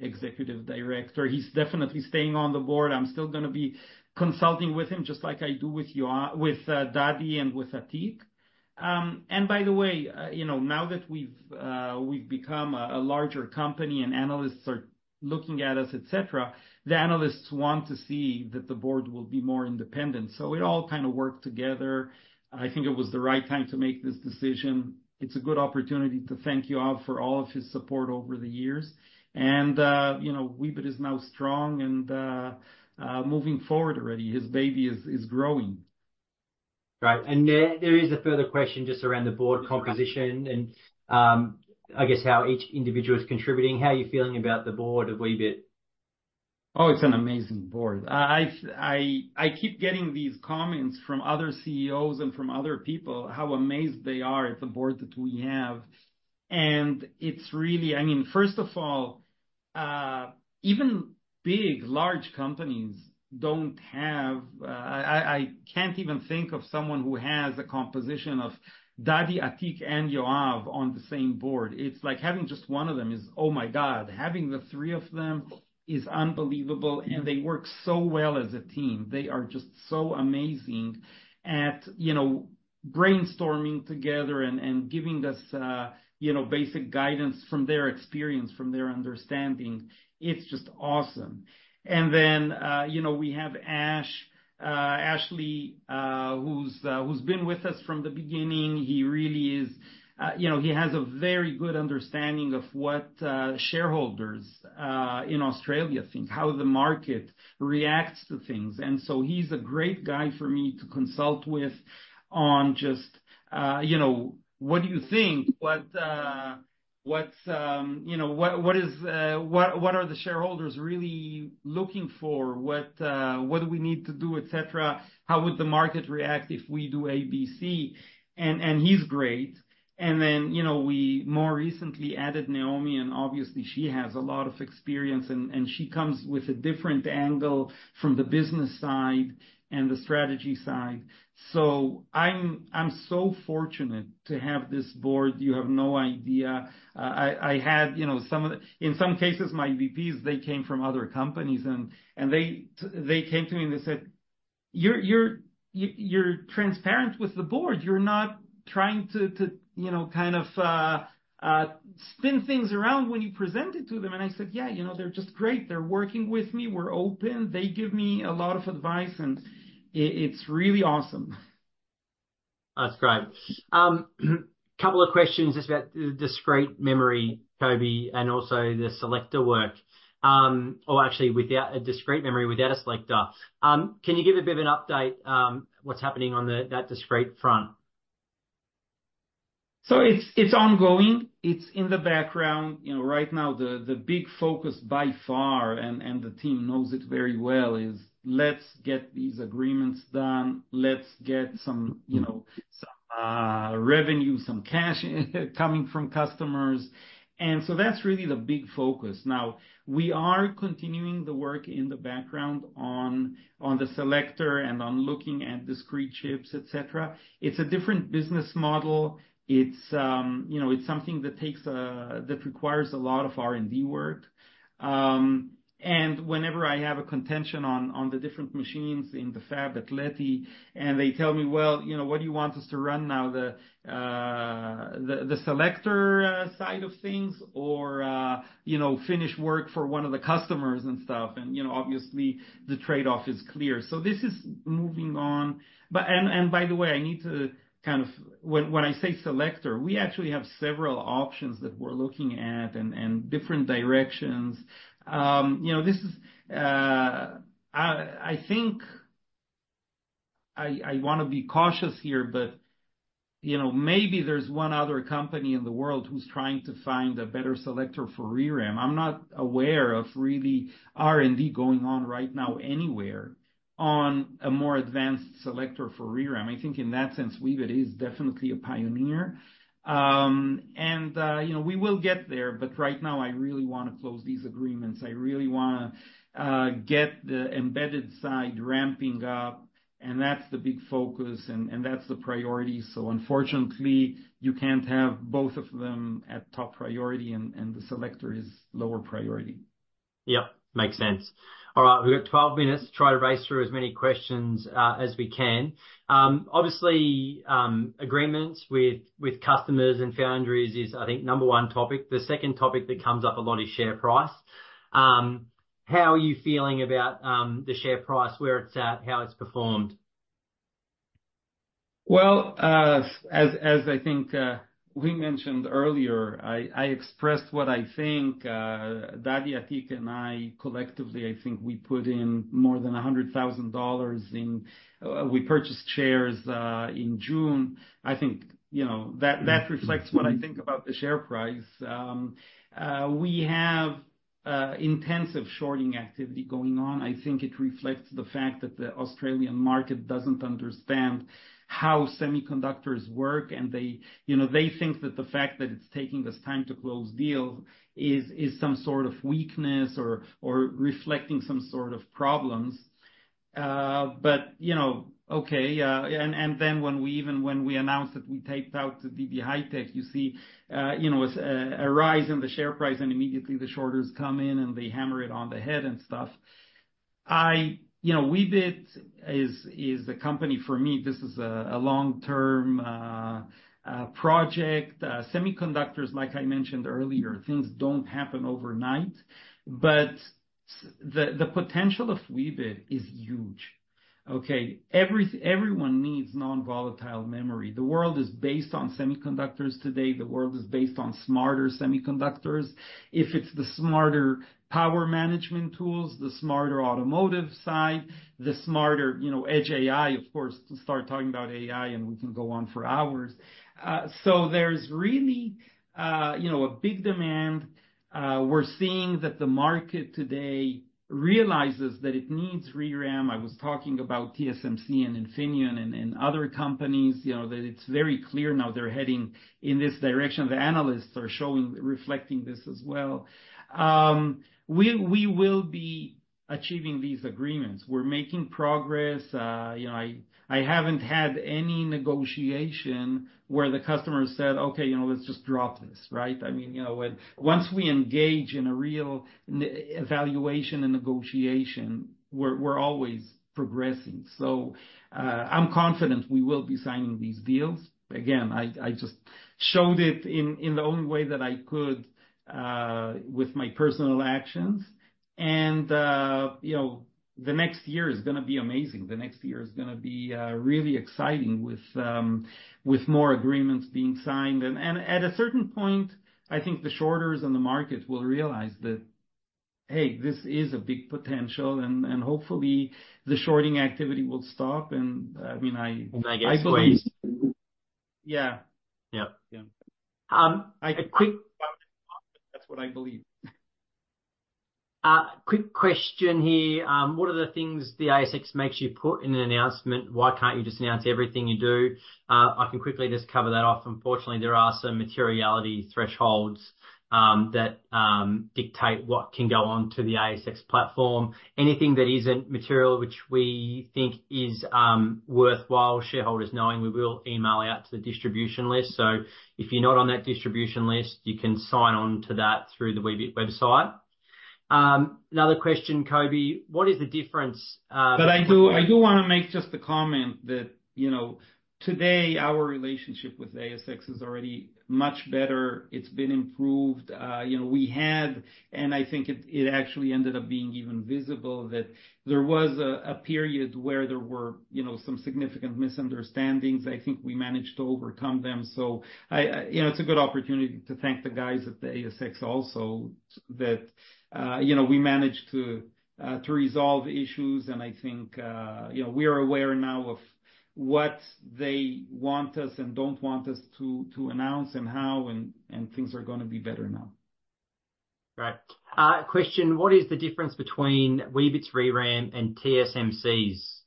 non-executive director. He's definitely staying on the board. I'm still gonna be consulting with him, just like I do with Yoav, with Dadi and with Atiq. And by the way, you know, now that we've become a larger company and analysts are looking at us, et cetera, the analysts want to see that the board will be more independent. So it all kind of worked together. I think it was the right time to make this decision. It's a good opportunity to thank Yoav for all of his support over the years. And, you know, Weebit is now strong and moving forward already. His baby is growing. Right. There is a further question just around the board composition and, I guess, how each individual is contributing. How are you feeling about the board of Weebit? Oh, it's an amazing board. I've keep getting these comments from other CEOs and from other people, how amazed they are at the board that we have. And it's really... I mean, first of all, even big, large companies don't have... I can't even think of someone who has a composition of Dadi, Atiq, and Yoav on the same board. It's like having just one of them is, oh, my God! Having the three of them is unbelievable, and they work so well as a team. They are just so amazing at, you know, brainstorming together and giving us, you know, basic guidance from their experience, from their understanding. It's just awesome. And then, you know, we have Ash, Ashley, who's been with us from the beginning. He really is, you know, he has a very good understanding of what shareholders in Australia think, how the market reacts to things. And so he's a great guy for me to consult with on just, you know, what do you think? What, what's, you know, what, what is, what, what are the shareholders really looking for? What, what do we need to do, et cetera? How would the market react if we do ABC? And he's great. And then, you know, we more recently added Naomi, and obviously she has a lot of experience, and she comes with a different angle from the business side and the strategy side. So I'm so fortunate to have this board. You have no idea. I had, you know, some of the—in some cases, my VPs, they came from other companies, and they came to me and they said, "You're transparent with the board. You're not trying to you know, kind of, spin things around when you present it to them." And I said, "Yeah, you know, they're just great. They're working with me. We're open. They give me a lot of advice, and it's really awesome. That's great. Couple of questions just about the discrete memory, Coby, and also the selector work. Or actually, without a discrete memory, without a selector. Can you give a bit of an update, what's happening on that discrete front? So it's, it's ongoing. It's in the background. You know, right now, the big focus by far, the team knows it very well, is let's get these agreements done. Let's get some, you know, revenue, some cash coming from customers. And so that's really the big focus. Now, we are continuing the work in the background on the selector and on looking at discrete chips, et cetera. It's a different business model. It's, you know, it's something that requires a lot of R&D work. And whenever I have a contention on the different machines in the fab at Leti, and they tell me, "Well, you know, what do you want us to run now? The selector side of things or, you know, finish work for one of the customers and stuff? You know, obviously, the trade-off is clear. So this is moving on. But, and by the way, I need to kind of, when I say selector, we actually have several options that we're looking at and different directions. You know, this is, I think I wanna be cautious here, but, you know, maybe there's one other company in the world who's trying to find a better selector for ReRAM. I'm not aware of really R&D going on right now anywhere on a more advanced selector for ReRAM. I think in that sense, Weebit is definitely a pioneer. And, you know, we will get there, but right now I really wanna close these agreements. I really wanna get the embedded side ramping up, and that's the big focus, and that's the priority. So unfortunately, you can't have both of them at top priority, and the selector is lower priority. Yep, makes sense. All right, we've got 12 minutes, try to race through as many questions as we can. Obviously, agreements with customers and foundries is, I think, number one topic. The second topic that comes up a lot is share price. How are you feeling about the share price, where it's at, how it's performed? Well, as I think we mentioned earlier, I expressed what I think, Dadi, Atiq, and I, collectively, I think we put in more than 100,000 dollars – we purchased shares in June. I think, you know, that reflects what I think about the share price. We have intensive shorting activity going on. I think it reflects the fact that the Australian market doesn't understand how semiconductors work, and they, you know, they think that the fact that it's taking us time to close deals is some sort of weakness or reflecting some sort of problems. But, you know, okay, and then when we even when we announced that we Taped out to DB HiTek, you see, you know, a rise in the share price, and immediately the shorters come in and they hammer it on the head and stuff. I... You know, Weebit is the company for me. This is a long-term project. Semiconductors, like I mentioned earlier, things don't happen overnight, but the potential of Weebit is huge, okay? Everyone needs non-volatile memory. The world is based on semiconductors today. The world is based on smarter semiconductors. If it's the smarter power management tools, the smarter automotive side, the smarter, you know, Edge AI, of course, to start talking about AI, and we can go on for hours. So there's really, you know, a big demand. We're seeing that the market today realizes that it needs ReRAM. I was talking about TSMC and Infineon and other companies, you know, that it's very clear now they're heading in this direction. The analysts are showing, reflecting this as well. We will be achieving these agreements. We're making progress. You know, I haven't had any negotiation where the customer said, "Okay, you know, let's just drop this." Right? I mean, you know, once we engage in a real evaluation and negotiation, we're always progressing. So, I'm confident we will be signing these deals. Again, I just showed it in the only way that I could, with my personal actions. You know, the next year is gonna be amazing. The next year is gonna be really exciting with more agreements being signed. And at a certain point, I think the shorters and the market will realize that... hey, this is a big potential, and hopefully the shorting activity will stop. And, I mean, I- And I guess- Yeah. Yeah. Yeah. A quick- That's what I believe. Quick question here. What are the things the ASX makes you put in an announcement? Why can't you just announce everything you do? I can quickly just cover that off. Unfortunately, there are some materiality thresholds that dictate what can go on to the ASX platform. Anything that isn't material, which we think is worthwhile shareholders knowing, we will email out to the distribution list. So if you're not on that distribution list, you can sign on to that through the Weebit website. Another question, Coby. What is the difference, But I do, I do want to make just a comment that, you know, today, our relationship with ASX is already much better. It's been improved. You know, we had, and I think it actually ended up being even visible, that there was a period where there were, you know, some significant misunderstandings. I think we managed to overcome them. You know, it's a good opportunity to thank the guys at the ASX also, that, you know, we managed to to resolve issues. And I think, you know, we are aware now of what they want us and don't want us to announce and how, and things are gonna be better now. Right. Question: What is the difference between Weebit's ReRAM and TSMC's?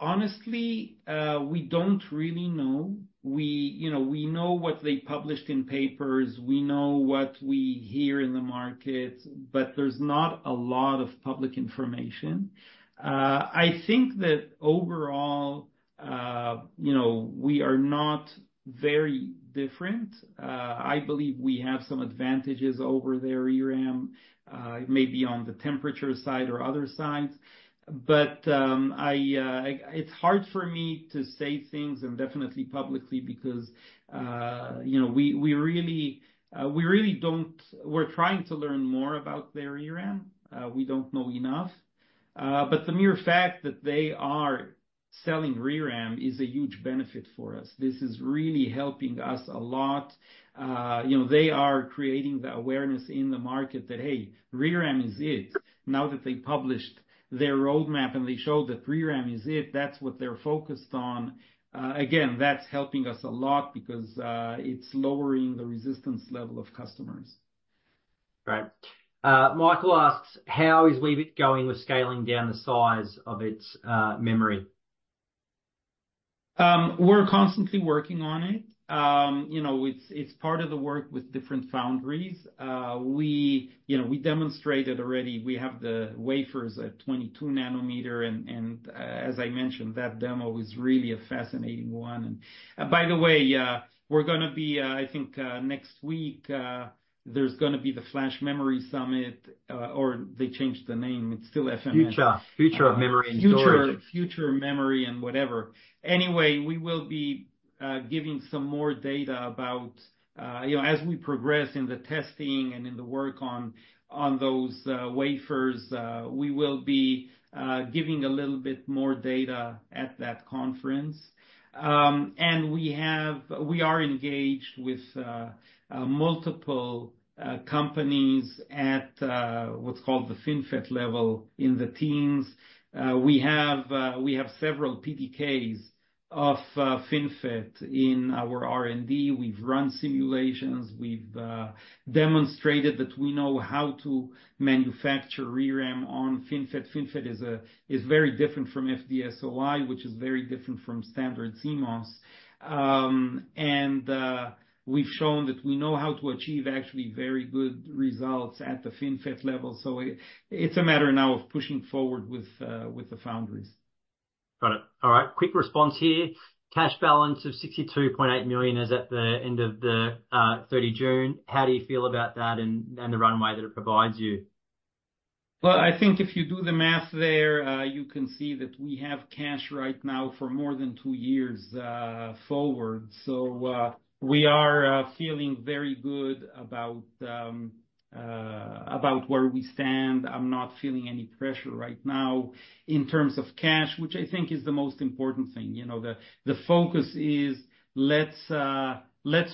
Honestly, we don't really know. We, you know, we know what they published in papers, we know what we hear in the market, but there's not a lot of public information. I think that overall, you know, we are not very different. I believe we have some advantages over their ReRAM, maybe on the temperature side or other sides. But, it's hard for me to say things, and definitely publicly, because, you know, we really don't. We're trying to learn more about their ReRAM. We don't know enough, but the mere fact that they are selling ReRAM is a huge benefit for us. This is really helping us a lot. You know, they are creating the awareness in the market that, hey, ReRAM is it. Now that they published their roadmap and they showed that ReRAM is it, that's what they're focused on. Again, that's helping us a lot because it's lowering the resistance level of customers. Right. Michael asks: How is Weebit going with scaling down the size of its memory? We're constantly working on it. You know, it's part of the work with different foundries. We demonstrated already we have the wafers at 22 nm, and as I mentioned, that demo is really a fascinating one. By the way, we're gonna be, I think, next week, there's gonna be the Flash Memory Summit, or they changed the name. It's still FMS. Future. Future of Memory and Storage. Future, Future Memory, and whatever. Anyway, we will be giving some more data about, you know, as we progress in the testing and in the work on those wafers, we will be giving a little bit more data at that conference. And we are engaged with multiple companies at what's called the FinFET level in the teens. We have several PDKs of FinFET in our R&D. We've run simulations. We've demonstrated that we know how to manufacture ReRAM on FinFET. FinFET is a very different from FD-SOI, which is very different from standard CMOS. And we've shown that we know how to achieve actually very good results at the FinFET level, so it's a matter now of pushing forward with the foundries. Got it. All right. Quick response here. Cash balance of $62.8 million is at the end of the 30 June. How do you feel about that and, and the runway that it provides you? Well, I think if you do the math there, you can see that we have cash right now for more than two years forward. So, we are feeling very good about about where we stand. I'm not feeling any pressure right now in terms of cash, which I think is the most important thing. You know, the focus is, let's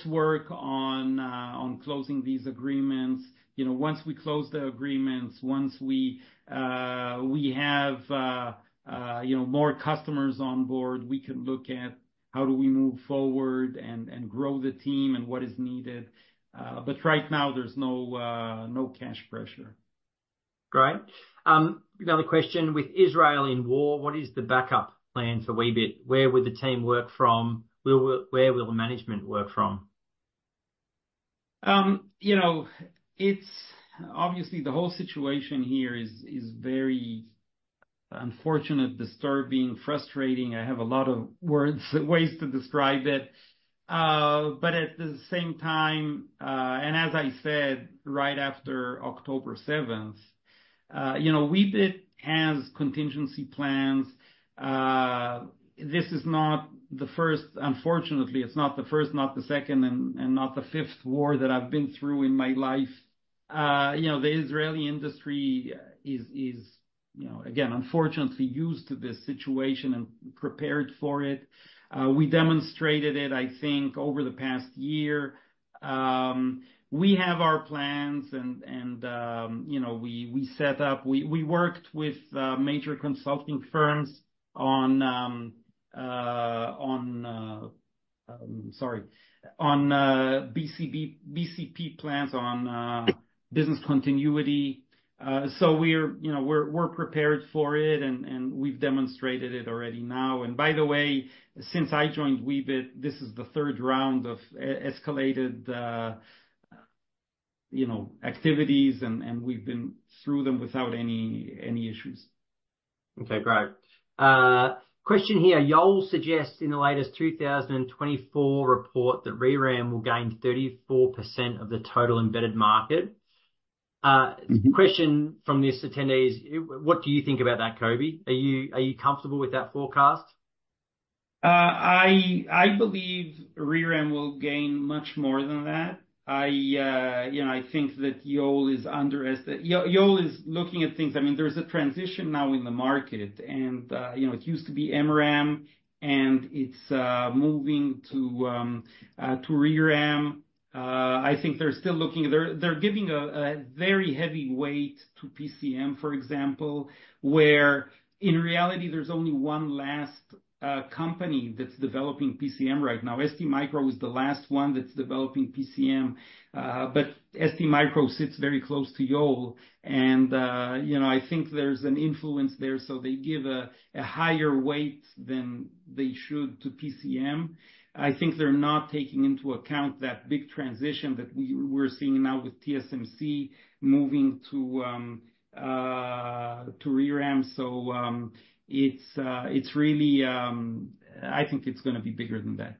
work on closing these agreements. You know, once we close the agreements, once we have more customers on board, we can look at how do we move forward and grow the team and what is needed. But right now there's no cash pressure. Great. Another question: With Israel in war, what is the backup plan for Weebit? Where will the team work from? Where will the management work from? You know, it's obviously the whole situation here is very unfortunate, disturbing, frustrating. I have a lot of words and ways to describe it. But at the same time, and as I said, right after October 7th, you know, Weebit has contingency plans. This is not the first—unfortunately, it's not the first, not the second, and not the fifth war that I've been through in my life. You know, the Israeli industry is, you know, again, unfortunately used to this situation and prepared for it. We demonstrated it, I think, over the past year. We have our plans and, you know, we set up—we worked with major consulting firms on, sorry, on BCP plans, on business continuity. So we're, you know, prepared for it, and we've demonstrated it already now. By the way, since I joined Weebit, this is the third round of escalated, you know, activities, and we've been through them without any issues. Okay, great. Question here: Yole suggests in the latest 2024 report that ReRAM will gain 34% of the total embedded market. The question from this attendee is, what do you think about that, Coby? Are you comfortable with that forecast? I believe ReRAM will gain much more than that. You know, I think Yole is looking at things. I mean, there's a transition now in the market, and you know, it used to be MRAM, and it's moving to ReRAM. I think they're still looking. They're giving a very heavy weight to PCM, for example, where in reality, there's only one last company that's developing PCM right now. STMicro is the last one that's developing PCM. But STMicro sits very close to Yole, and you know, I think there's an influence there, so they give a higher weight than they should to PCM. I think they're not taking into account that big transition that we're seeing now with TSMC moving to ReRAM. So, it's really, I think it's gonna be bigger than that.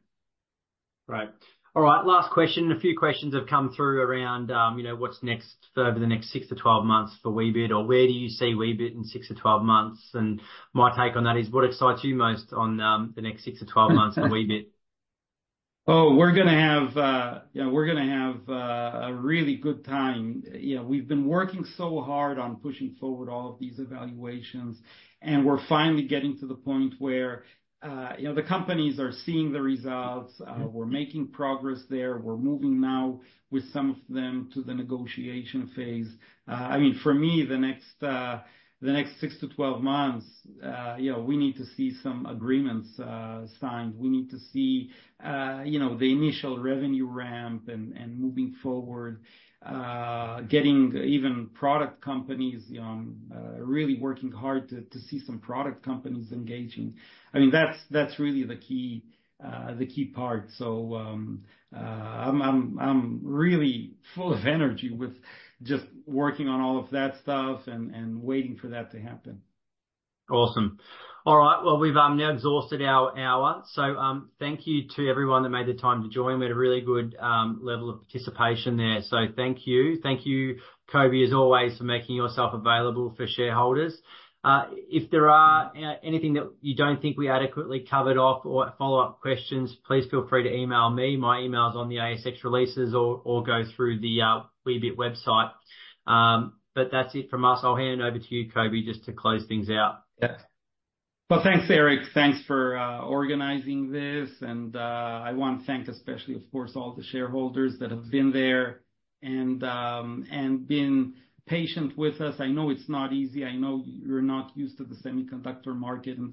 Right. All right, last question. A few questions have come through around, you know, what's next for over the next six to 12 months for Weebit, or where do you see Weebit in six to 12 months? And my take on that is, what excites you most on the next six to 12 months at Weebit? Oh, we're gonna have, yeah, we're gonna have, a really good time. You know, we've been working so hard on pushing forward all of these evaluations, and we're finally getting to the point where, you know, the companies are seeing the results. We're making progress there. We're moving now with some of them to the negotiation phase. I mean, for me, the next 6 to 12 months, you know, we need to see some agreements signed. We need to see, you know, the initial revenue ramp and moving forward, getting even product companies really working hard to see some product companies engaging. I mean, that's really the key, the key part. So, I'm really full of energy with just working on all of that stuff and waiting for that to happen. Awesome. All right, well, we've now exhausted our hour, so thank you to everyone that made the time to join me. We had a really good level of participation there, so thank you. Thank you, Coby, as always, for making yourself available for shareholders. If there are anything that you don't think we adequately covered off or follow-up questions, please feel free to email me. My email is on the ASX releases or go through the Weebit website. But that's it from us. I'll hand it over to you, Coby, just to close things out. Yeah. Well, thanks, Eric. Thanks for organizing this, and I want to thank, especially, of course, all the shareholders that have been there and been patient with us. I know it's not easy. I know you're not used to the semiconductor market and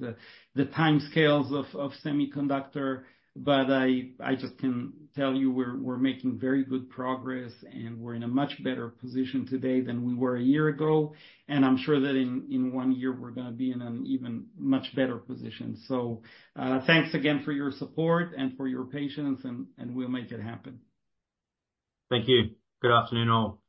the timescales of semiconductor, but I just can tell you, we're making very good progress, and we're in a much better position today than we were a year ago. And I'm sure that in one year we're gonna be in an even much better position. So, thanks again for your support and for your patience, and we'll make it happen. Thank you. Good afternoon, all. Thank you.